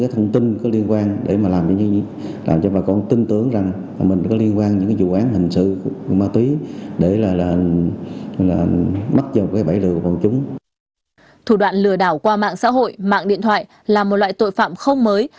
thủ đoạn lừa đảo qua mạng xã hội mạng điện thoại là một loại tội phạm không mới